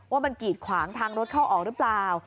ว่ามันกีดขวางทางรถเข้าออกหรือเปล่า